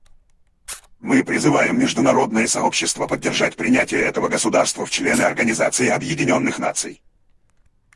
Мы призываем международное сообщество поддержать принятие этого государства в члены Организации Объединенных Наций.